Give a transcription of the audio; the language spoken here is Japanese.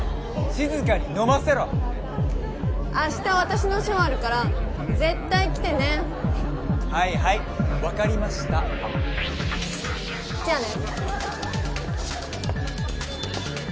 静かに飲ませろ明日私のショーあるから絶対来てねはいはい分かりましたじゃあね